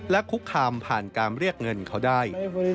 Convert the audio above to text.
และคุกคามผ่านการเรียกเงินเขาได้